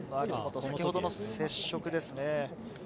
先ほどの接触ですね。